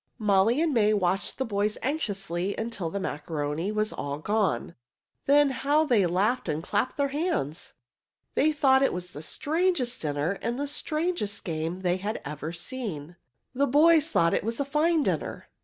Molly and May watched the boys anxiously until the macaroni was all gone. Then how they laughed and clapped their hands! They thought it was the strangest dinner and the strangest game they had ever seen. The boys thought it was a fine dinner.